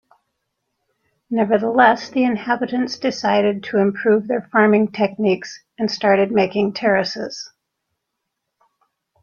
Nevertheless, the inhabitants decided to improve their farming techniques and started making terraces.